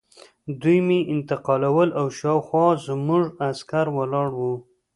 دوی مې انتقالول او شاوخوا زموږ عسکر ولاړ وو